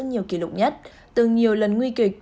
nhiều kỷ lục nhất từng nhiều lần nguy kịch